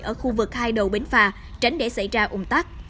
ở khu vực hai đầu bến phà tránh để xảy ra ủng tắc